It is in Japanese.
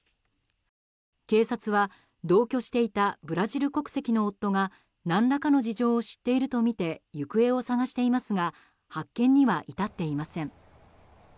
警察は、同居していたブラジル国籍の夫が何らかの事情を知っているとみて行方を捜していますが発見には至っていません。